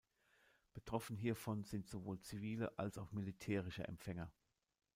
Betroffen hiervon sind sowohl zivile als auch militärische Empfänger.